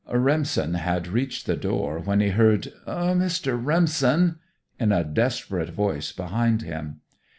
Remsen had reached the door when he heard "Mr. Remsen!" in a desperate voice behind him.